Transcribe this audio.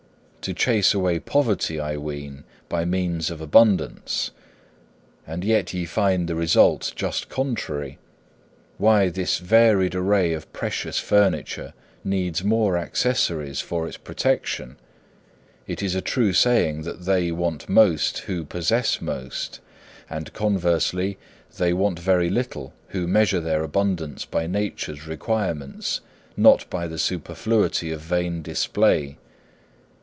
To chase away poverty, I ween, by means of abundance. And yet ye find the result just contrary. Why, this varied array of precious furniture needs more accessories for its protection; it is a true saying that they want most who possess most, and, conversely, they want very little who measure their abundance by nature's requirements, not by the superfluity of vain display.